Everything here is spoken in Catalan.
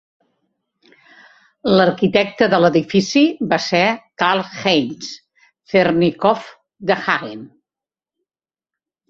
L'arquitecte de l'edifici va ser Karl-Heinz Zernikow de Hagen.